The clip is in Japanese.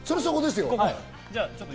そこです。